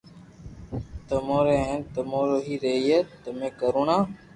تمو رو ھي ھين تمو رو ھي رھئي تمو ڪروڻا